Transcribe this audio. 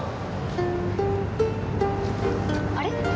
あれ？